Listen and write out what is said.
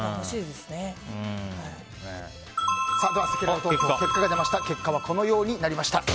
ではせきらら投票の結果このようになりました。